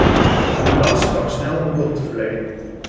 De ambulance kwam snel om hulp te verlenen.